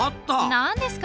何ですか？